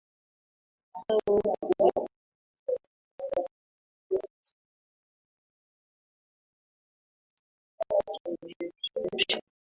zao kuliko kiswahili Waliona kuongea kiswahili ni kijushusha